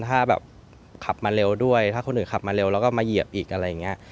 ถ้าแบบขับมาเร็วด้วยถ้าคนอื่นขับมาเร็วแล้วก็มาเหยียบอีกอะไรอย่างนี้